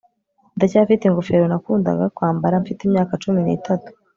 Ndacyafite ingofero nakundaga kwambara mfite imyaka cumi nitatu